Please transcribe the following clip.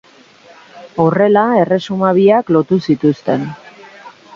Horrela erresuma biak lotu zituzten.